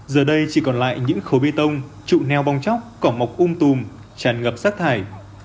giờ đây chỉ còn lại những khối bê tông trụ neo bong chóc cỏ mộc ung tùm tràn ngập sát thải